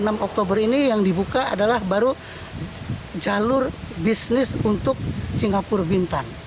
enam oktober ini yang dibuka adalah baru jalur bisnis untuk singapura bintan